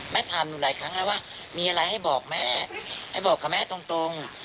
ถามหนูหลายครั้งแล้วว่ามีอะไรให้บอกแม่ให้บอกกับแม่ตรง